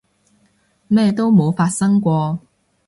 咩都冇發生過